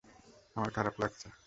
আমার খারাপ লাগছে।